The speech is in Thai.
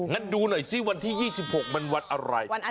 งั้นดูหน่อยซิวันที่๒๖มันวันอะไร